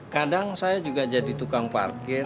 kadang saya juga jadi tukang parkir